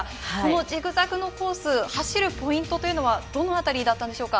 ジグザグのコースを走るポイントというのは、どのあたりだったんでしょうか？